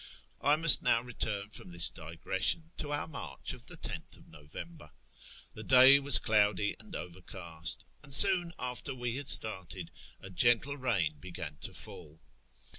I must now return from this digression to our march of 10 th November. The day was cloudy and overcast, and soon after we had started a gentle rain began to fall.